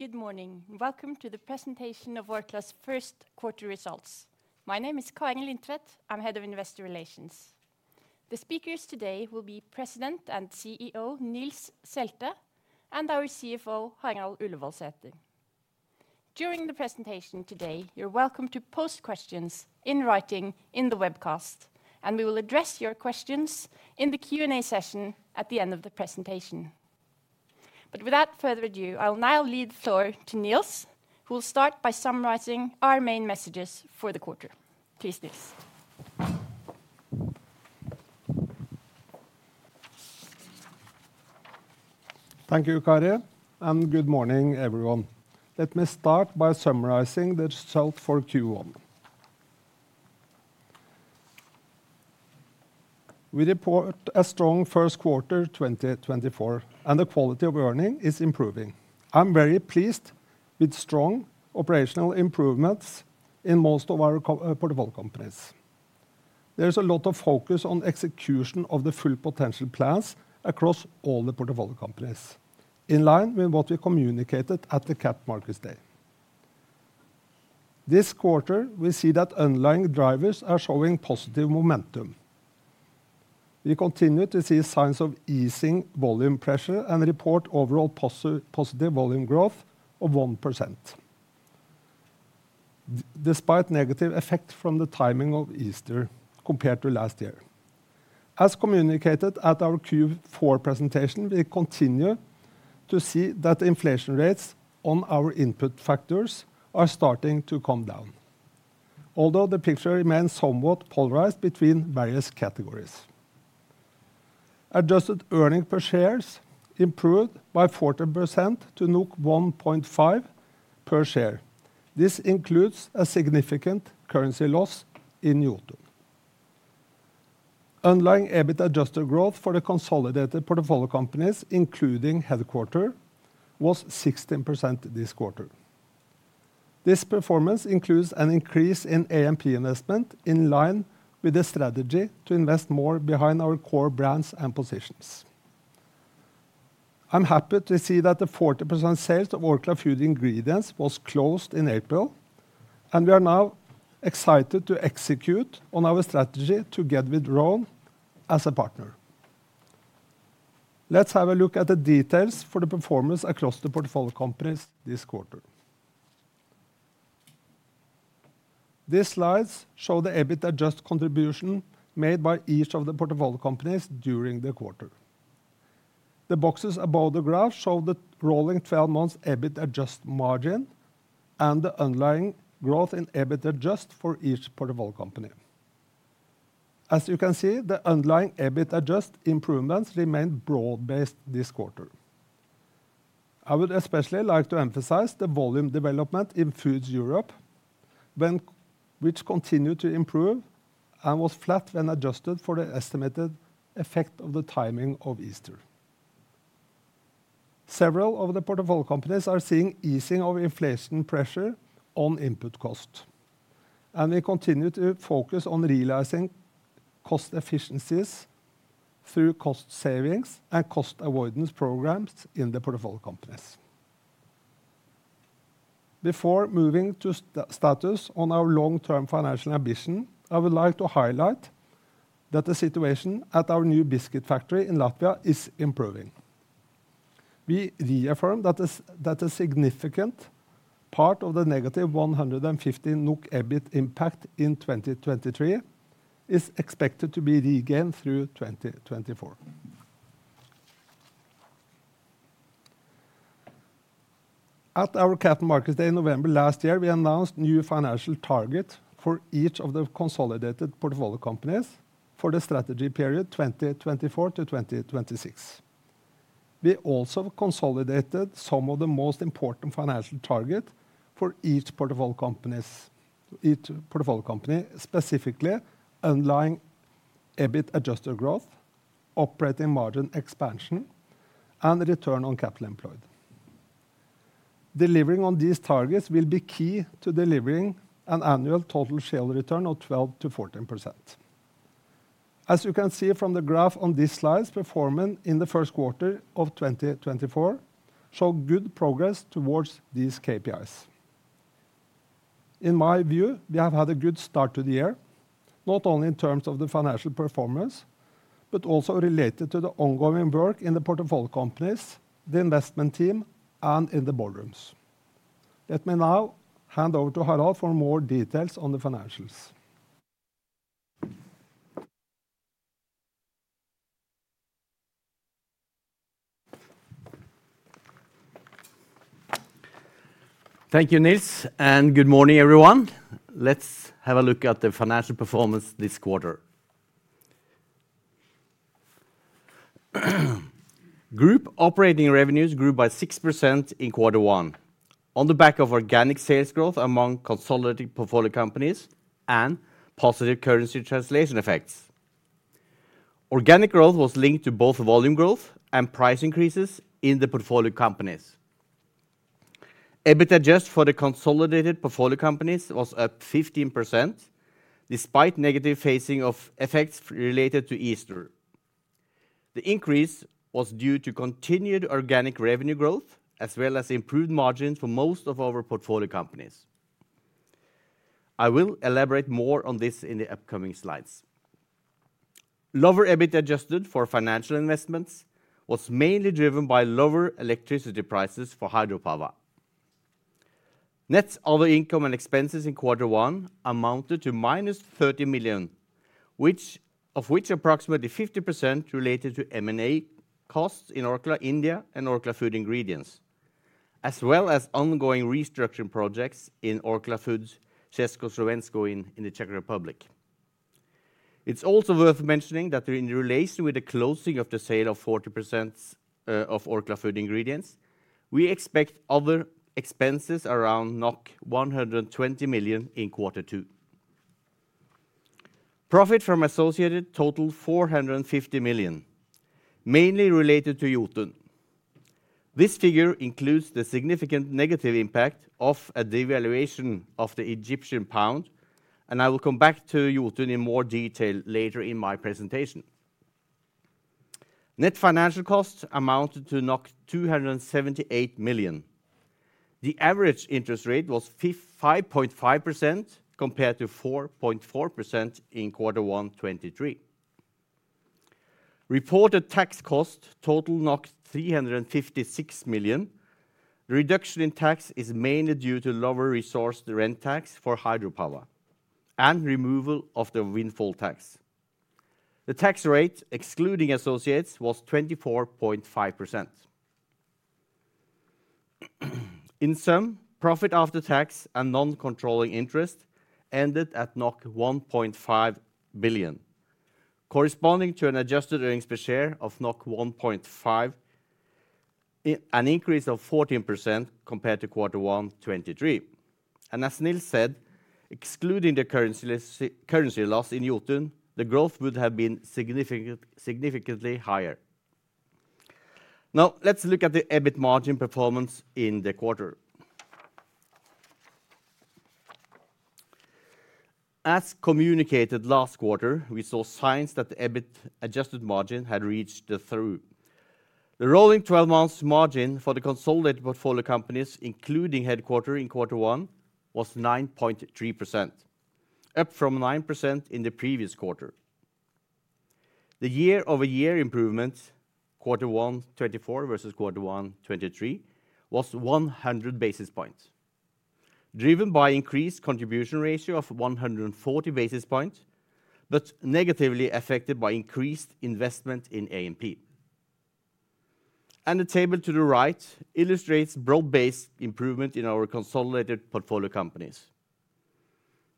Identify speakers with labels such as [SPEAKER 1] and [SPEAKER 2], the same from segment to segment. [SPEAKER 1] Good morning. Welcome to the presentation of Orkla's first quarter results. My name is Kari Lindtvedt. I'm Head of Investor Relations. The speakers today will be President and CEO, Nils Selte, and our CFO, Harald Ullevoldsaeter. During the presentation today, you're welcome to post questions in writing in the webcast, and we will address your questions in the Q&A session at the end of the presentation. Without further ado, I'll now lead the floor to Nils, who will start by summarizing our main messages for the quarter. Please, Nils.
[SPEAKER 2] Thank you, Kari, and good morning, everyone. Let me start by summarizing the result for Q1. We report a strong first quarter 2024, and the quality of earnings is improving. I'm very pleased with strong operational improvements in most of our portfolio companies. There is a lot of focus on execution of the full potential plans across all the portfolio companies, in line with what we communicated at the Capital Markets Day. This quarter, we see that underlying drivers are showing positive momentum. We continue to see signs of easing volume pressure and report overall positive volume growth of 1%, despite negative effect from the timing of Easter compared to last year. As communicated at our Q4 presentation, we continue to see that inflation rates on our input factors are starting to come down, although the picture remains somewhat polarized between various categories. Adjusted earnings per share improved by 14% to 1.5 per share. This includes a significant currency loss in Jotun. Underlying EBIT adjusted growth for the consolidated portfolio companies, including headquarters, was 16% this quarter. This performance includes an increase in A&P investment in line with the strategy to invest more behind our core brands and positions. I'm happy to see that the 40% sale of Orkla Food Ingredients was closed in April, and we are now excited to execute on our strategy together with Rhône as a partner. Let's have a look at the details for the performance across the portfolio companies this quarter. These slides show the EBIT adjusted contribution made by each of the portfolio companies during the quarter. The boxes above the graph show the rolling twelve months EBIT adjusted margin and the underlying growth in EBIT adjusted for each portfolio company. As you can see, the underlying EBIT adjusted improvements remained broad-based this quarter. I would especially like to emphasize the volume development in Foods Europe, which continued to improve and was flat when adjusted for the estimated effect of the timing of Easter. Several of the portfolio companies are seeing easing of inflation pressure on input cost, and we continue to focus on realizing cost efficiencies through cost savings and cost avoidance programs in the portfolio companies. Before moving to status on our long-term financial ambition, I would like to highlight that the situation at our new biscuit factory in Latvia is improving. We reaffirm that a significant part of the negative 150 NOK EBIT impact in 2023 is expected to be regained through 2024. At our Capital Markets Day in November last year, we announced new financial target for each of the consolidated portfolio companies for the strategy period 2024-2026. We also consolidated some of the most important financial target for each portfolio companies, each portfolio company, specifically, underlying EBIT adjusted growth, operating margin expansion, and return on capital employed. Delivering on these targets will be key to delivering an annual total shareholder return of 12%-14%. As you can see from the graph on these slides, performance in the first quarter of 2024 show good progress towards these KPIs. In my view, we have had a good start to the year, not only in terms of the financial performance, but also related to the ongoing work in the portfolio companies, the investment team, and in the boardrooms. Let me now hand over to Harald for more details on the financials.
[SPEAKER 3] Thank you, Nils, and good morning, everyone. Let's have a look at the financial performance this quarter. Group operating revenues grew by 6% in quarter one on the back of organic sales growth among consolidated portfolio companies and positive currency translation effects. Organic growth was linked to both volume growth and price increases in the portfolio companies. EBIT adjusted for the consolidated portfolio companies was up 15%, despite negative phasing of effects related to Easter. The increase was due to continued organic revenue growth, as well as improved margins for most of our portfolio companies. I will elaborate more on this in the upcoming slides. Lower EBIT adjusted for financial investments was mainly driven by lower electricity prices for hydropower. Net other income and expenses in quarter one amounted to -30 million, of which approximately 50% related to M&A costs in Orkla India and Orkla Food Ingredients, as well as ongoing restructuring projects in Orkla Foods Česko-Slovensko in the Czech Republic. It's also worth mentioning that in relation with the closing of the sale of 40% of Orkla Food Ingredients, we expect other expenses around 120 million in quarter two. Profit from associates totaled 450 million, mainly related to Jotun. This figure includes the significant negative impact of a devaluation of the Egyptian pound, and I will come back to Jotun in more detail later in my presentation. Net financial costs amounted to 278 million. The average interest rate was 5.5%, compared to 4.4% in quarter one 2023. Reported tax cost totaled 356 million. Reduction in tax is mainly due to lower resource rent tax for hydropower and removal of the windfall tax. The tax rate, excluding associates, was 24.5%. In sum, profit after tax and non-controlling interest ended at 1.5 billion, corresponding to an adjusted earnings per share of 1.5, an increase of 14% compared to quarter one 2023. And as Nils said, excluding the currency loss in Jotun, the growth would have been significantly higher. Now, let's look at the EBIT adjusted margin performance in the quarter. As communicated last quarter, we saw signs that the EBIT adjusted margin had reached the trough. The rolling twelve months margin for the consolidated portfolio companies, including headquarters in quarter one, was 9.3%, up from 9% in the previous quarter. The year-over-year improvement, quarter one 2024 versus quarter one 2023, was 100 basis points, driven by increased contribution ratio of 140 basis points, but negatively affected by increased investment in A&P. The table to the right illustrates broad-based improvement in our consolidated portfolio companies.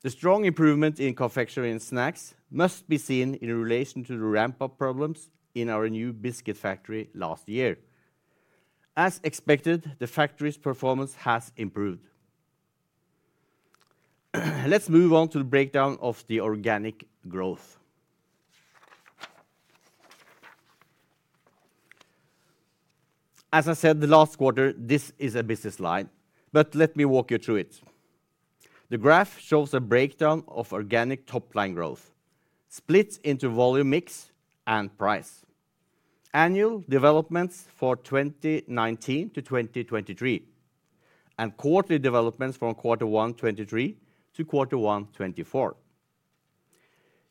[SPEAKER 3] The strong improvement in confectionery and snacks must be seen in relation to the ramp-up problems in our new biscuit factory last year. As expected, the factory's performance has improved. Let's move on to the breakdown of the organic growth. As I said the last quarter, this is a busy slide, but let me walk you through it. The graph shows a breakdown of organic top-line growth, split into volume mix and price. Annual developments for 2019 to 2023, and quarterly developments from quarter one 2023 to quarter one 2024.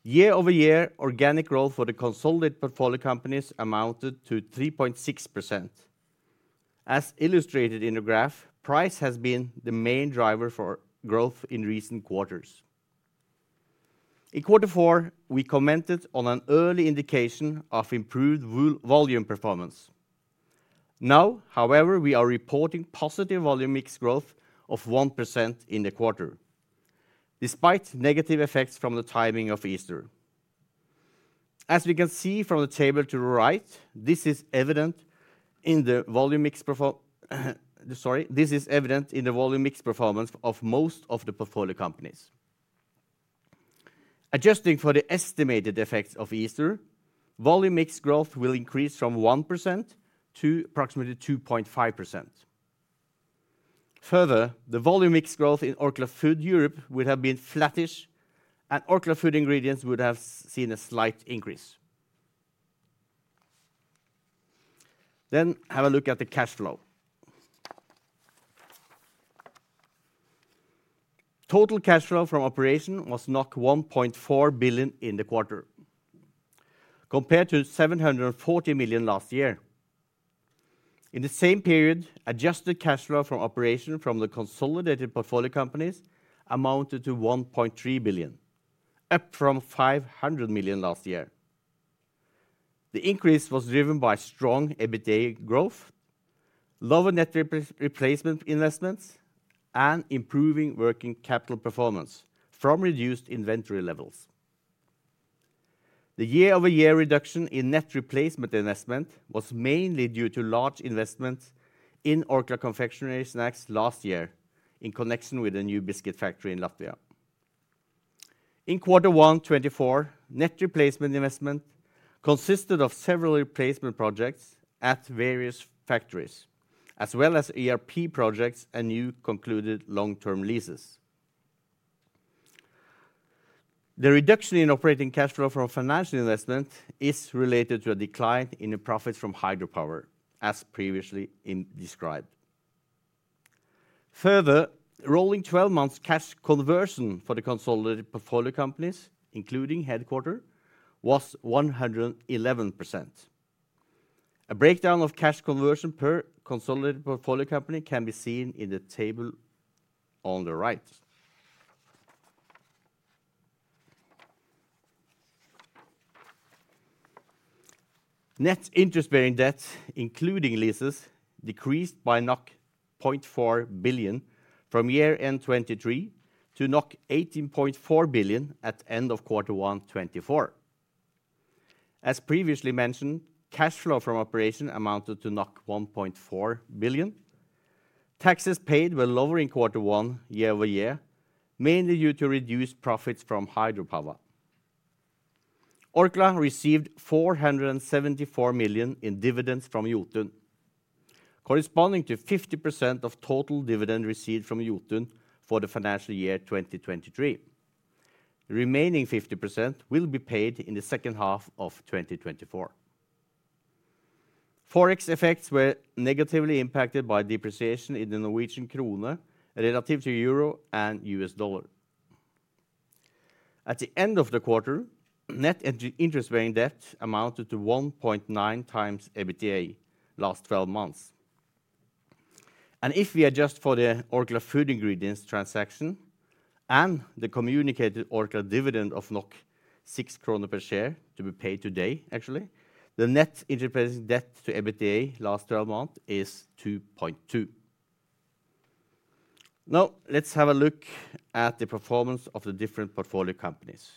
[SPEAKER 3] Year-over-year organic growth for the consolidated portfolio companies amounted to 3.6%. As illustrated in the graph, price has been the main driver for growth in recent quarters. In quarter four, we commented on an early indication of improved volume performance. Now, however, we are reporting positive volume mix growth of 1% in the quarter, despite negative effects from the timing of Easter. As we can see from the table to the right, this is evident in the volume mix performance of most of the portfolio companies. Adjusting for the estimated effects of Easter, volume mix growth will increase from 1% to approximately 2.5%. Further, the volume mix growth in Orkla Foods Europe would have been flattish, and Orkla Food Ingredients would have seen a slight increase. Then have a look at the cash flow. Total cash flow from operation was 1.4 billion in the quarter, compared to 740 million last year. In the same period, adjusted cash flow from operation from the consolidated portfolio companies amounted to 1.3 billion, up from 500 million last year. The increase was driven by strong EBITDA growth, lower net replacement investments, and improving working capital performance from reduced inventory levels. The year-over-year reduction in net replacement investment was mainly due to large investments in Orkla Confectionery & Snacks last year in connection with the new biscuit factory in Latvia. In quarter one 2024, net replacement investment consisted of several replacement projects at various factories, as well as ERP projects and new concluded long-term leases. The reduction in operating cash flow from financial investment is related to a decline in the profits from hydropower, as previously described. Further, rolling twelve months cash conversion for the consolidated portfolio companies, including headquarters, was 111%. A breakdown of cash conversion per consolidated portfolio company can be seen in the table on the right. Net interest-bearing debt, including leases, decreased by 0.4 billion from year-end 2023 to 18.4 billion at end of quarter one, 2024. As previously mentioned, cash flow from operation amounted to 1.4 billion. Taxes paid were lower in quarter one, year-over-year, mainly due to reduced profits from hydropower. Orkla received 474 million in dividends from Jotun, corresponding to 50% of total dividend received from Jotun for the financial year 2023. The remaining 50% will be paid in the second half of 2024. Forex effects were negatively impacted by depreciation in the Norwegian krone relative to euro and US dollar. At the end of the quarter, net interest-bearing debt amounted to 1.9x EBITDA, last twelve months. If we adjust for the Orkla Food Ingredients transaction and the communicated Orkla dividend of 6 kroner per share, to be paid today, actually, the net interest-bearing debt to EBITDA last twelve months is 2.2. Now, let's have a look at the performance of the different portfolio companies.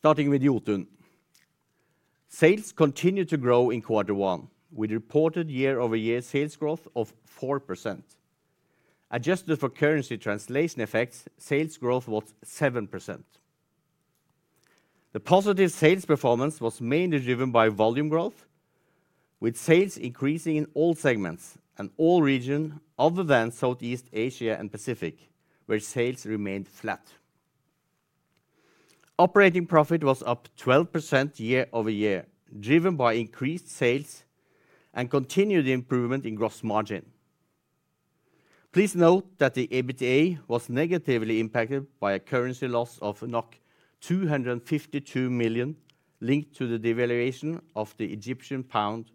[SPEAKER 3] Starting with Jotun. Sales continued to grow in quarter one, with reported year-over-year sales growth of 4%. Adjusted for currency translation effects, sales growth was 7%. The positive sales performance was mainly driven by volume growth, with sales increasing in all regions other than Southeast Asia and Pacific, where sales remained flat. Operating profit was up 12% year-over-year, driven by increased sales and continued improvement in gross margin. Please note that the EBITDA was negatively impacted by a currency loss of 252 million, linked to the devaluation of the Egyptian pound.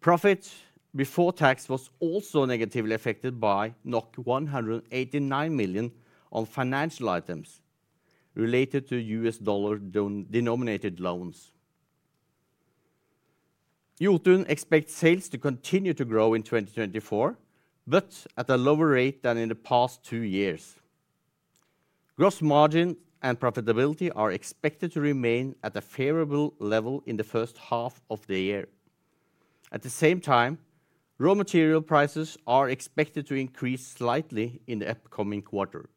[SPEAKER 3] Profit before tax was also negatively affected by 189 million on financial items related to US dollar-denominated loans. Jotun expects sales to continue to grow in 2024, but at a lower rate than in the past two years. Gross margin and profitability are expected to remain at a favorable level in the first half of the year. At the same time, raw material prices are expected to increase slightly in the upcoming quarter.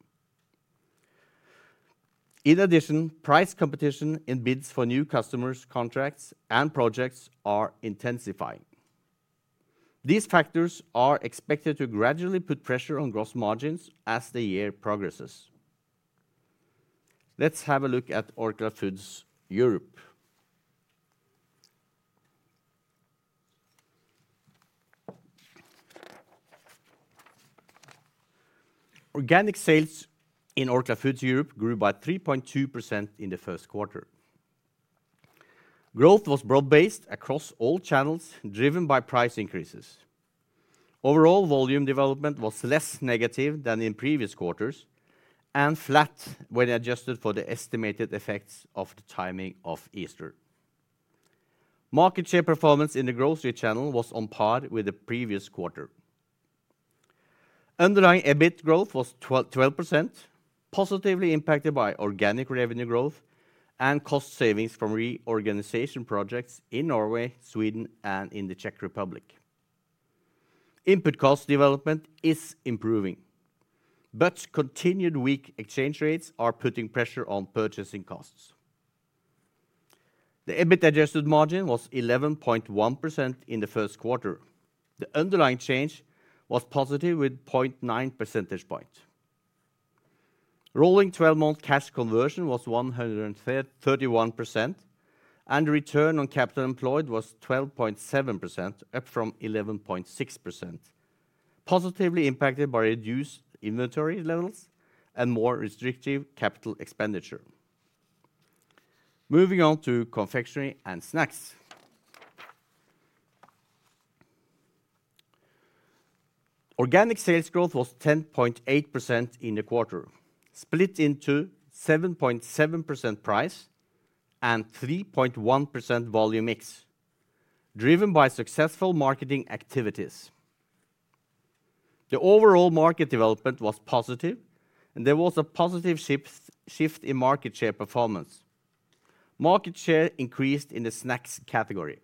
[SPEAKER 3] In addition, price competition in bids for new customers, contracts, and projects are intensifying. These factors are expected to gradually put pressure on gross margins as the year progresses. Let's have a look at Orkla Foods Europe. Organic sales in Orkla Foods Europe grew by 3.2% in the first quarter. Growth was broad-based across all channels, driven by price increases. Overall, volume development was less negative than in previous quarters, and flat when adjusted for the estimated effects of the timing of Easter. Market share performance in the grocery channel was on par with the previous quarter. Underlying EBIT growth was 12%, positively impacted by organic revenue growth and cost savings from reorganization projects in Norway, Sweden, and in the Czech Republic. Input cost development is improving, but continued weak exchange rates are putting pressure on purchasing costs. The EBIT adjusted margin was 11.1% in the first quarter. The underlying change was positive, with 0.9 percentage point. Rolling twelve-month cash conversion was 131%, and return on capital employed was 12.7%, up from 11.6%, positively impacted by reduced inventory levels and more restrictive capital expenditure. Moving on to confectionery and snacks. Organic sales growth was 10.8% in the quarter, split into 7.7% price and 3.1% volume mix, driven by successful marketing activities. The overall market development was positive, and there was a positive shift in market share performance. Market share increased in the snacks category.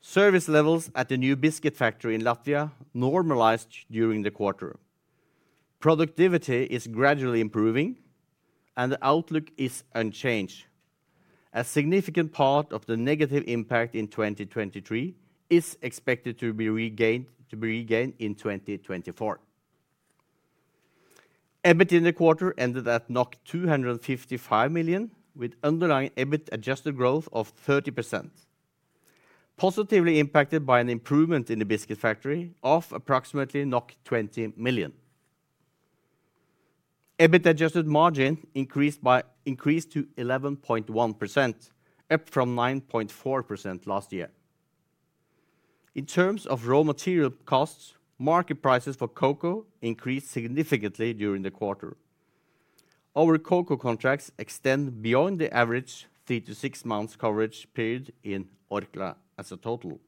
[SPEAKER 3] Service levels at the new biscuit factory in Latvia normalized during the quarter. Productivity is gradually improving, and the outlook is unchanged. A significant part of the negative impact in 2023 is expected to be regained, to be regained in 2024. EBIT in the quarter ended at 255 million, with underlying EBIT adjusted growth of 30%, positively impacted by an improvement in the biscuit factory of approximately 20 million. EBIT adjusted margin increased to 11.1%, up from 9.4% last year. In terms of raw material costs, market prices for cocoa increased significantly during the quarter. Our cocoa contracts extend beyond the average 3-6 months coverage period in Orkla as a total.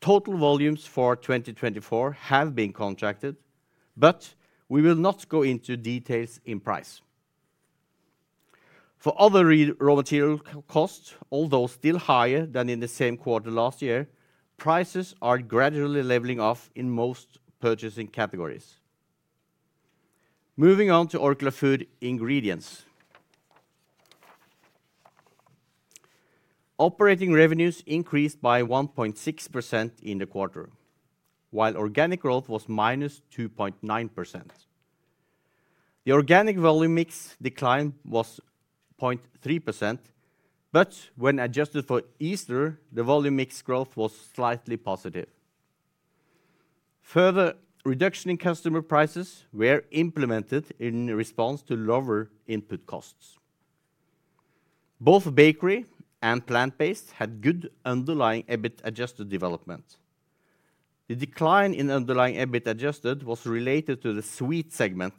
[SPEAKER 3] Total volumes for 2024 have been contracted, but we will not go into details in price. For other raw material costs, although still higher than in the same quarter last year, prices are gradually leveling off in most purchasing categories. Moving on to Orkla Food Ingredients. Operating revenues increased by 1.6% in the quarter, while organic growth was -2.9%. The organic volume mix decline was 0.3%, but when adjusted for Easter, the volume mix growth was slightly positive. Further reduction in customer prices were implemented in response to lower input costs. Both bakery and plant-based had good underlying EBIT adjusted development. The decline in underlying EBIT adjusted was related to the sweet segment.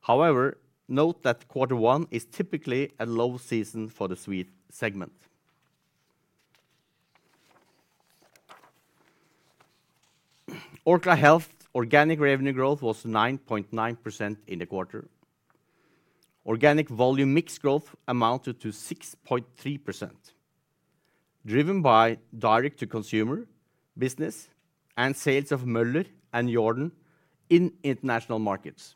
[SPEAKER 3] However, note that quarter one is typically a low season for the sweet segment. Orkla Health organic revenue growth was 9.9% in the quarter. Organic volume mix growth amounted to 6.3%, driven by direct-to-consumer business and sales of Møller and Jordan in international markets.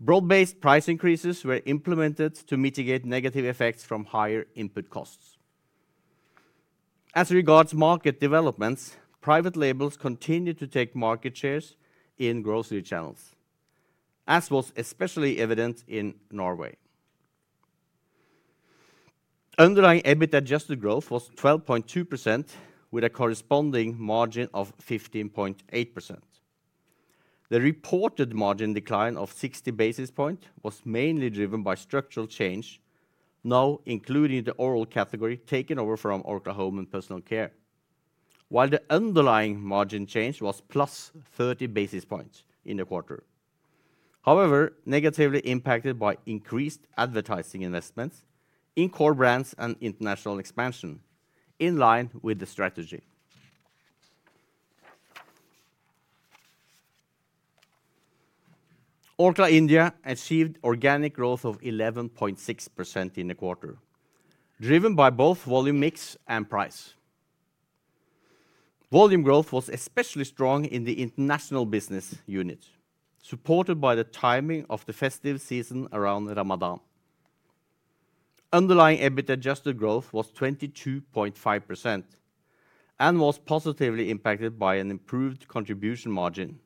[SPEAKER 3] Broad-based price increases were implemented to mitigate negative effects from higher input costs. As regards market developments, private labels continued to take market shares in grocery channels, as was especially evident in Norway. Underlying EBIT adjusted growth was 12.2%, with a corresponding margin of 15.8%. The reported margin decline of 60 basis points was mainly driven by structural change, now including the oral category taken over from Orkla Home and Personal Care, while the underlying margin change was +30 basis points in the quarter. However, negatively impacted by increased advertising investments in core brands and international expansion, in line with the strategy. Orkla India achieved organic growth of 11.6% in the quarter, driven by both volume mix and price. Volume growth was especially strong in the international business unit, supported by the timing of the festive season around Ramadan. Underlying EBIT adjusted growth was 22.5% and was positively impacted by an improved contribution margin,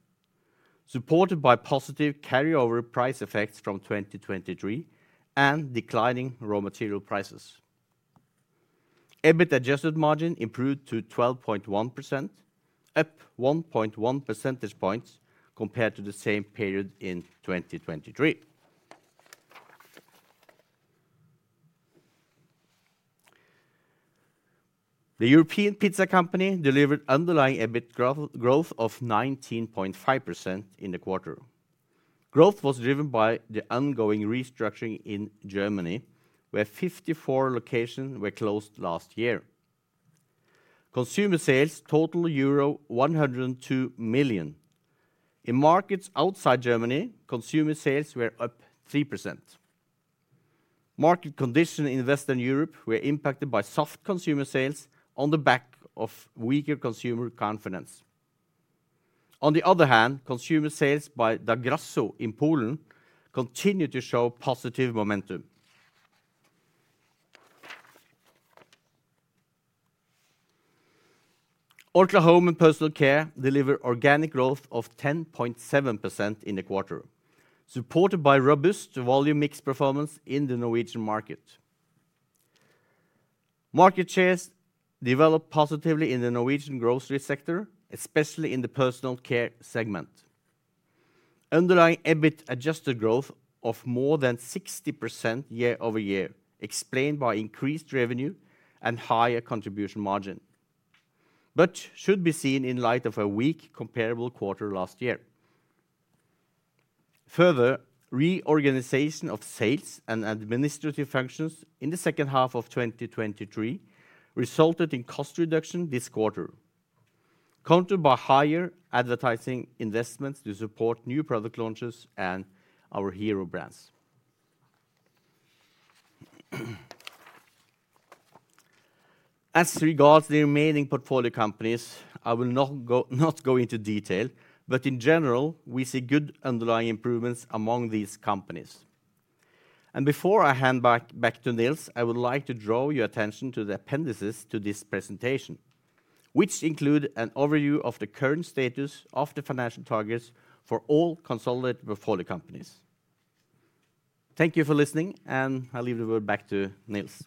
[SPEAKER 3] supported by positive carryover price effects from 2023 and declining raw material prices. EBIT adjusted margin improved to 12.1%, up 1.1 percentage points compared to the same period in 2023. The European Pizza Company delivered underlying EBIT growth of 19.5% in the quarter. Growth was driven by the ongoing restructuring in Germany, where 54 locations were closed last year. Consumer sales total euro 102 million. In markets outside Germany, consumer sales were up 3%. Market conditions in Western Europe were impacted by soft consumer sales on the back of weaker consumer confidence. On the other hand, consumer sales by Da Grasso in Poland continued to show positive momentum. Orkla Home & Personal Care deliver organic growth of 10.7% in the quarter, supported by robust volume mix performance in the Norwegian market. Market shares developed positively in the Norwegian grocery sector, especially in the personal care segment. Underlying EBIT adjusted growth of more than 60% year-over-year, explained by increased revenue and higher contribution margin, but should be seen in light of a weak comparable quarter last year. Further, reorganization of sales and administrative functions in the second half of 2023 resulted in cost reduction this quarter, countered by higher advertising investments to support new product launches and our hero brands. As regards the remaining portfolio companies, I will not go into detail, but in general, we see good underlying improvements among these companies. Before I hand back to Nils, I would like to draw your attention to the appendices to this presentation, which include an overview of the current status of the financial targets for all consolidated portfolio companies. Thank you for listening, and I leave the word back to Nils.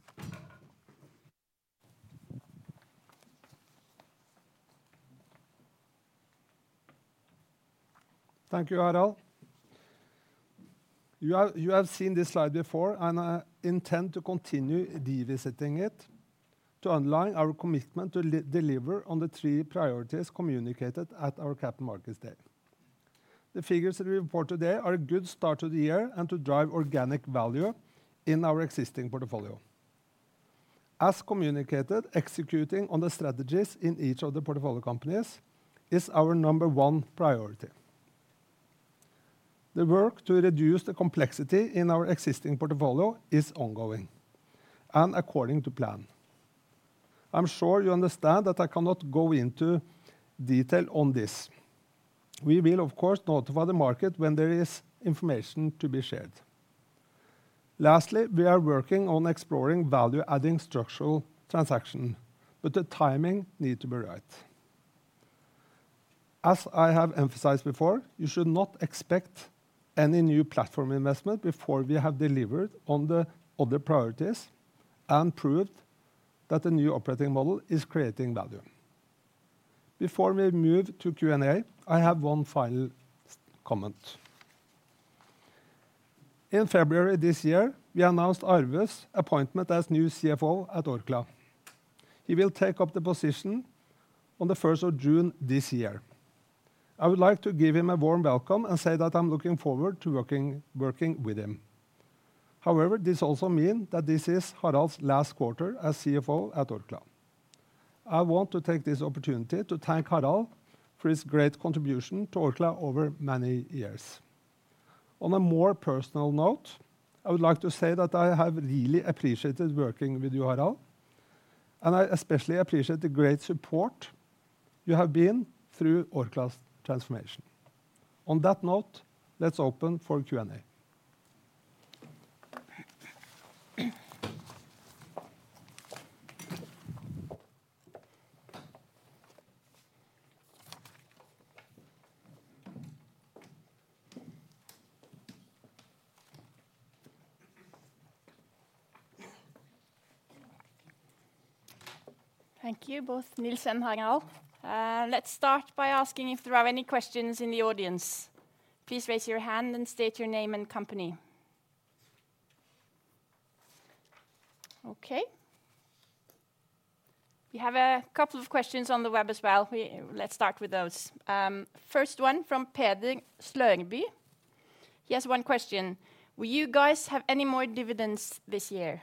[SPEAKER 2] Thank you, Harald. You have, you have seen this slide before, and I intend to continue revisiting it to underline our commitment to deliver on the three priorities communicated at our capital markets day. The figures that we report today are a good start to the year and to drive organic value in our existing portfolio. As communicated, executing on the strategies in each of the portfolio companies is our number one priority. The work to reduce the complexity in our existing portfolio is ongoing and according to plan. I'm sure you understand that I cannot go into detail on this. We will, of course, notify the market when there is information to be shared. Lastly, we are working on exploring value-adding structural transaction, but the timing need to be right. As I have emphasized before, you should not expect any new platform investment before we have delivered on the other priorities and proved that the new operating model is creating value. Before we move to Q&A, I have one final comment. In February this year, we announced Arve's appointment as new CFO at Orkla. He will take up the position on the 1st of June this year. I would like to give him a warm welcome and say that I'm looking forward to working with him. However, this also mean that this is Harald's last quarter as CFO at Orkla. I want to take this opportunity to thank Harald for his great contribution to Orkla over many years. On a more personal note, I would like to say that I have really appreciated working with you, Harald, and I especially appreciate the great support you have been through Orkla's transformation. On that note, let's open for Q&A.
[SPEAKER 1] Thank you, both Nils and Harald. Let's start by asking if there are any questions in the audience. Please raise your hand and state your name and company. Okay. We have a couple of questions on the web as well. Let's start with those. First one from Peder Sløngby. He has one question: "Will you guys have any more dividends this year?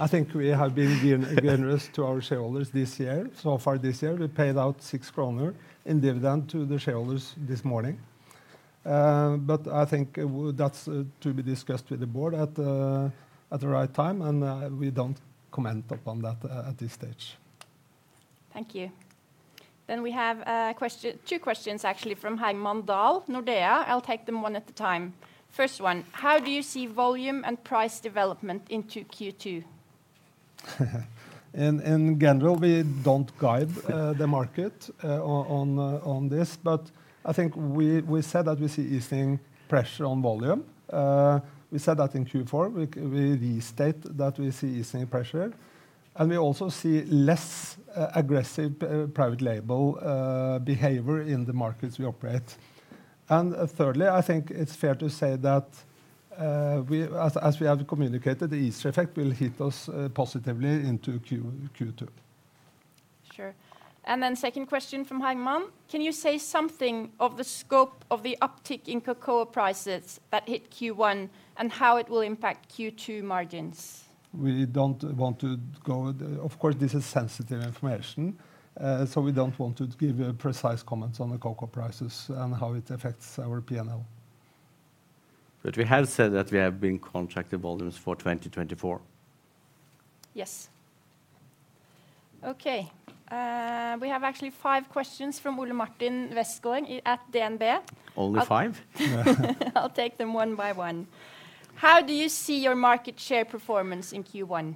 [SPEAKER 2] I think we have been generous to our shareholders this year. So far this year, we paid out 6 kroner in dividend to the shareholders this morning. But I think that's to be discussed with the board at the right time, and we don't comment upon that at this stage.
[SPEAKER 1] Thank you. Then we have two questions, actually, from Herman Dahl, Nordea. I'll take them one at a time. First one: "How do you see volume and price development into Q2?
[SPEAKER 2] In general, we don't guide the market on this, but I think we said that we see easing pressure on volume. We said that in Q4. We restate that we see easing pressure, and we also see less aggressive private label behavior in the markets we operate. And thirdly, I think it's fair to say that we, as we have communicated, the ease effect will hit us positively into Q2.
[SPEAKER 1] Sure. And then second question from Herman: "Can you say something of the scope of the uptick in cocoa prices that hit Q1, and how it will impact Q2 margins?
[SPEAKER 2] We don't want to go with the, of course, this is sensitive information, so we don't want to give a precise comment on the cocoa prices and how it affects our P&L.
[SPEAKER 3] We have said that we have been contracted volumes for 2024.
[SPEAKER 1] Yes. Okay, we have actually five questions from Ole Martin Westgaard at DNB.
[SPEAKER 3] Only five?
[SPEAKER 1] I'll take them one by one. "How do you see your market share performance in Q1?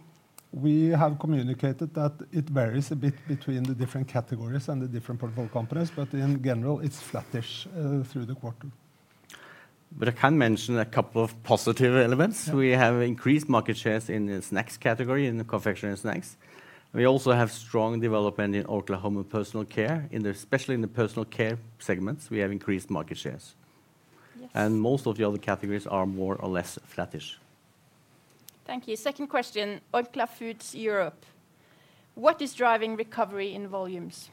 [SPEAKER 2] We have communicated that it varies a bit between the different categories and the different portfolio companies, but in general, it's flattish through the quarter.
[SPEAKER 3] But I can mention a couple of positive elements.
[SPEAKER 2] Yeah.
[SPEAKER 3] We have increased market shares in the snacks category, in the confectionery snacks. We also have strong development in Orkla Home & Personal Care. In, especially in the Personal Care segments, we have increased market shares.
[SPEAKER 1] Yes.
[SPEAKER 3] Most of the other categories are more or less flattish.
[SPEAKER 1] Thank you. Second question, Orkla Foods Europe: "What is driving recovery in volumes?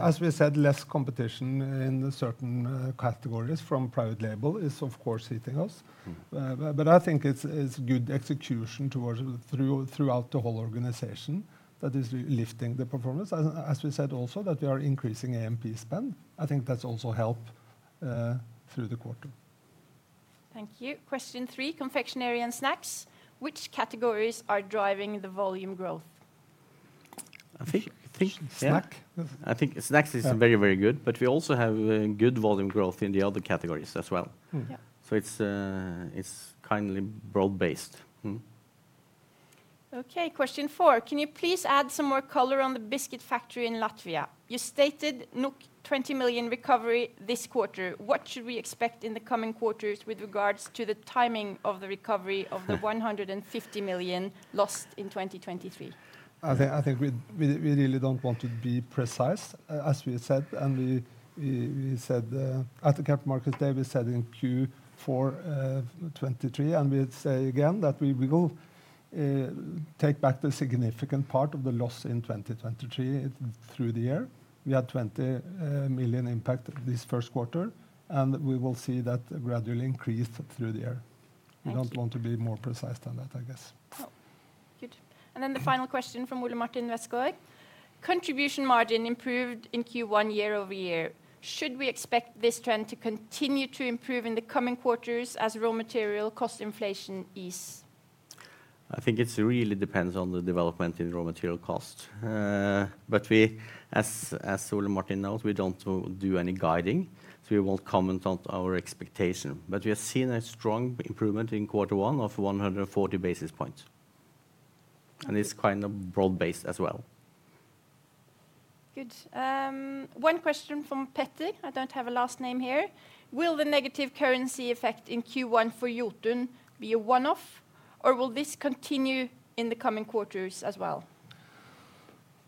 [SPEAKER 2] As we said, less competition in certain categories from private label is, of course, hitting us.
[SPEAKER 3] Mm.
[SPEAKER 2] But I think it's good execution throughout the whole organization that is lifting the performance. As we said also, that we are increasing A&P spend. I think that's also helped through the quarter.
[SPEAKER 1] Thank you. Question three, confectionery and snacks: "Which categories are driving the volume growth?
[SPEAKER 3] I think, yeah.
[SPEAKER 2] Snack?
[SPEAKER 3] I think snacks is very, very good, but we also have good volume growth in the other categories as well.
[SPEAKER 2] Hmm.
[SPEAKER 1] Yeah.
[SPEAKER 3] So it's, it's kindly broad-based. Mm-hmm.
[SPEAKER 1] Okay, question four: Can you please add some more color on the biscuit factory in Latvia? You stated 20 million recovery this quarter. What should we expect in the coming quarters with regards to the timing of the recovery of the 150 million lost in 2023?
[SPEAKER 2] I think, I think we really don't want to be precise. As we said, and we said at the Capital Markets Day, we said in Q4 2023, and we say again that we will take back the significant part of the loss in 2023 through the year. We had 20 million impact this first quarter, and we will see that gradually increase through the year.
[SPEAKER 1] Thank you.
[SPEAKER 2] We don't want to be more precise than that, I guess.
[SPEAKER 1] Oh, good.
[SPEAKER 2] Mm-hmm.
[SPEAKER 1] Then the final question from Ole Martin Westgaard: Contribution margin improved in Q1 year-over-year. Should we expect this trend to continue to improve in the coming quarters as raw material cost inflation ease?
[SPEAKER 3] I think it really depends on the development in raw material cost. But we, as Ole Martin knows, we don't do any guiding, so we won't comment on our expectation. But we have seen a strong improvement in quarter one of 140 basis points.
[SPEAKER 1] Thank you.
[SPEAKER 3] And it's kind of broad-based as well.
[SPEAKER 1] Good. One question from Peter. I don't have a last name here. Will the negative currency effect in Q1 for Jotun be a one-off, or will this continue in the coming quarters as well?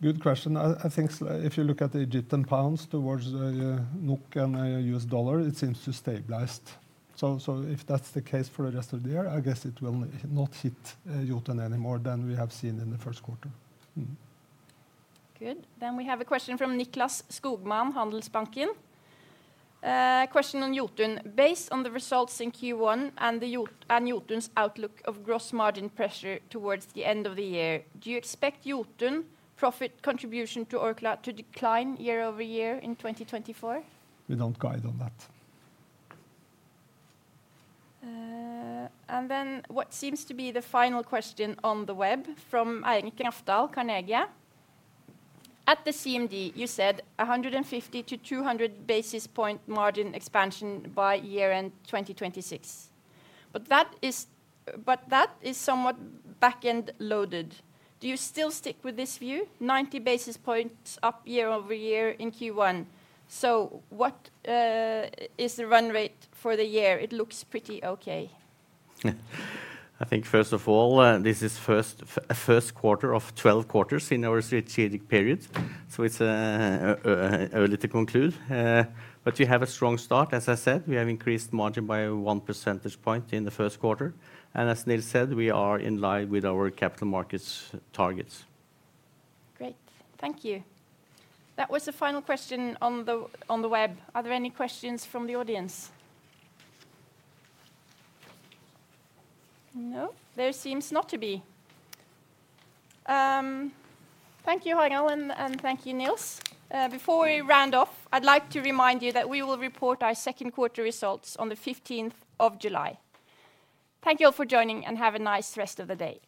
[SPEAKER 2] Good question. I, I think if you look at the Egyptian pounds towards the NOK and US dollar, it seems to stabilized. So, so if that's the case for the rest of the year, I guess it will not hit Jotun any more than we have seen in the first quarter. Mm-hmm.
[SPEAKER 1] Good. Then we have a question from Nicklas Skogman, Handelsbanken. Question on Jotun: Based on the results in Q1 and Jotun's outlook of gross margin pressure towards the end of the year, do you expect Jotun profit contribution to Orkla to decline year over year in 2024?
[SPEAKER 2] We don't guide on that.
[SPEAKER 1] And then what seems to be the final question on the web from Eirik Rafdal, Carnegie: At the CMD, you said 150-200 basis point margin expansion by year-end 2026, but that is, but that is somewhat back-end loaded. Do you still stick with this view, 90 basis points up year-over-year in Q1? So what is the run rate for the year? It looks pretty okay.
[SPEAKER 3] I think, first of all, this is first quarter of 12 quarters in our strategic period, so it's early to conclude. But we have a strong start. As I said, we have increased margin by 1 percentage point in the first quarter, and as Nils said, we are in line with our capital markets targets.
[SPEAKER 1] Great. Thank you. That was the final question on the web. Are there any questions from the audience? No, there seems not to be. Thank you, Harald, and thank you, Nils. Before we round off, I'd like to remind you that we will report our second quarter results on the 15th of July. Thank you all for joining, and have a nice rest of the day.